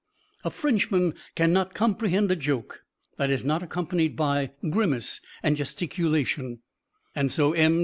A Frenchman can not comprehend a joke that is not accompanied by grimace and gesticulation; and so M.